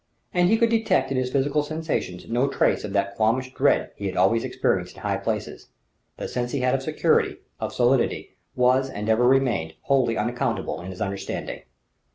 And he could detect in his physical sensations no trace of that qualmish dread he always experienced in high places: the sense he had of security, of solidity, was and ever remained wholly unaccountable in his understanding.